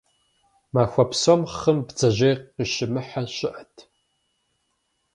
Махуэ псом хъым бдзэжьей къыщимыхьэ щыӏэт.